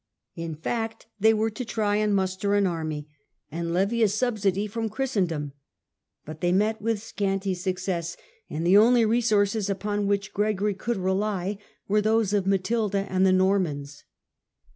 In fact they were to try and muster an army, and levy a subsidy from Christendom; but they met with scanty success, and the only resources upon which Gregory could rely were those of Matilda and the Normans.